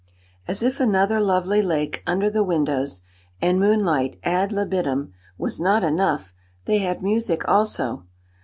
As if another lovely lake under the windows, and moonlight ad libitum, was not enough, they had music also.